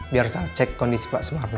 biar saya cek kondisi pak sumarno